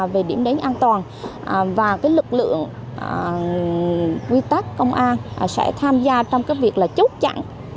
về điểm đến an toàn và lực lượng quy tắc công an sẽ tham gia trong việc là chốt chặn